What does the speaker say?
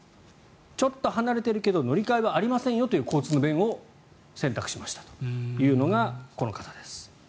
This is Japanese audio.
ちょっと離れてるけど乗り換えはありませんよという交通の便を選択しましたというのがこの方です。